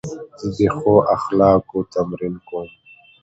زه د ښو اخلاقو تمرین کوم.